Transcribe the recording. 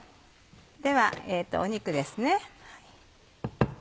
では肉ですね。